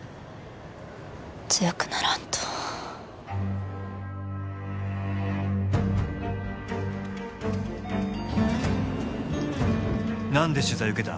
強くならんと何で取材受けた？